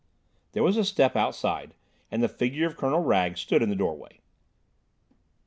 There was a step outside, and the figure of Colonel Wragge stood in the doorway.